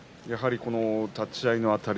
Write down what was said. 立ち合いのあたり